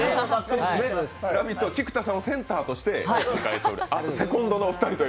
「ラヴィット！」は菊田さんをセンターとして迎えているという。